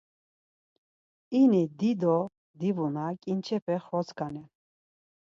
İni dido divuna ǩinçepe xrotskanen.